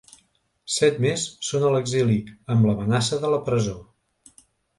Set més són a l’exili amb l’amenaça de la presó.